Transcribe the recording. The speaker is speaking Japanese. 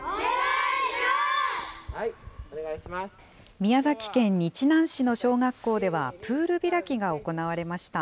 宮崎県日南市の小学校では、プール開きが行われました。